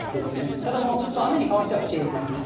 ただもうちょっと雨に変わってはきてますね。